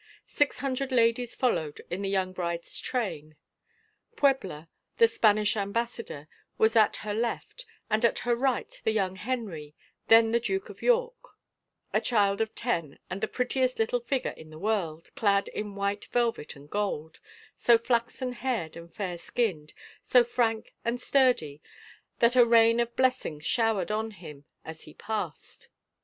Six hundred ladies followed in the young bride's train; Puebla, the Spanish Ambassador, was at her left, and at her right the young Henry, then the Duke of York, a child of ten and the prettiest little figure in the world, clad in white velvet and gold, so flaxen haired and fair skinned, so frank and sturdy, that a rain of blessings showered on him as he passed.